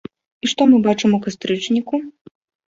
І што мы бачым у кастрычніку?